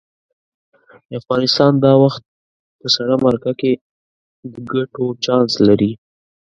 افغانستان دا وخت په سړه مرکه کې د ګټو چانس لري.